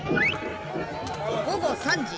午後３時。